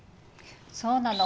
そうなの。